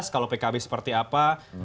kalau pkb seperti apa